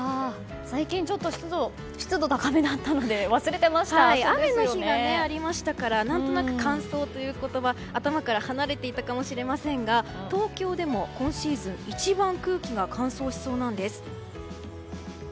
最近ちょっと湿度が高めだったので雨の日がありましたから何となく乾燥という言葉頭から離れていたかもしれませんが東京でも今シーズン一番空気が乾燥しそうなんです。